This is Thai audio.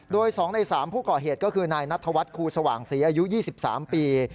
โดย๒ใน๓ผู้ก่อเหตุก็คือนายนัทธวัฒนครูสว่างศรีอายุ๒๓ปี